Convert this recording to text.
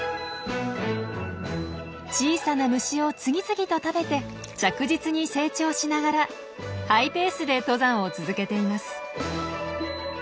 小さな虫を次々と食べて着実に成長しながらハイペースで登山を続けています。